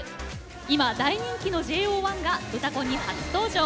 今、大人気のＪＯ１が「うたコン」に初登場。